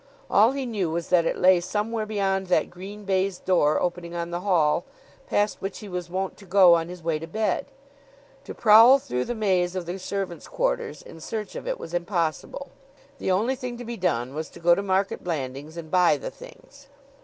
All he knew was that it lay somewhere beyond that green baize door opening on the hall, past which he was wont to go on his way to bed. To prowl through the maze of the servants' quarters in search of it was impossible. The only thing to be done was to go to Market Blandings and buy the things.